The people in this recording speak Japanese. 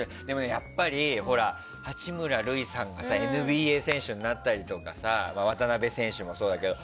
やっぱり八村塁さんがＮＢＡ選手になったりとかさ渡邊選手もそうだけど。